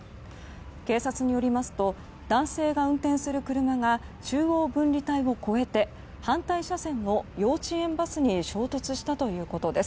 警察によりますと男性が運転する車が中央分離帯を越えて反対車線の幼稚園バスに衝突したということです。